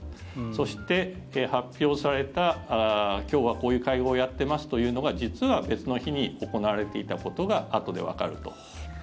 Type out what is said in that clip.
そして、発表された今日はこういう会合をやっていますというのが実は、別の日に行われていたことがあとでわかると。